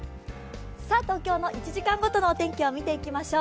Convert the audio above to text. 東京の一時間ごとのお天気をみていきましょう。